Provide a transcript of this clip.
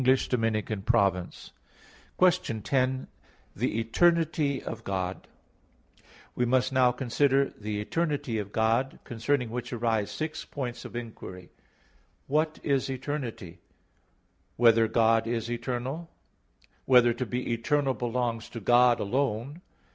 _______________________ QUESTION 10 THE ETERNITY OF GOD (In Six Articles) We must now consider the eternity of God, concerning which arise six points of inquiry: (1) What is eternity? (2) Whether God is eternal? (3) Whether to be eternal belongs to God alone?